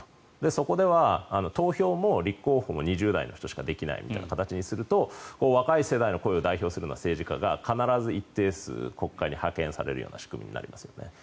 そこでは投票も立候補も２０代の人しかできないという形にすると若い世代の声を代表するような政治家が必ず一定数国会に派遣されるような仕組みになりますよね。